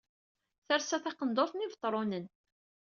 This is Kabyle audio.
Tersa taqenduṛt n Yibetṛunen.